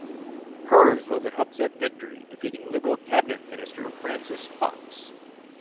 Hers was an upset victory, defeating Liberal Cabinet minister Francis Fox.